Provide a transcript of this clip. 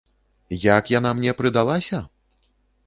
Як яна мне прыдалася?